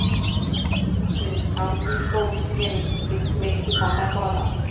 此强逼购物事件引起媒体广泛报道。